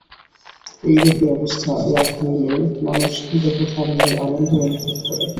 এইরূপ অবস্থা লাভ হইলেই মানুষ দেহধারণের আনন্দ অনুভব করে।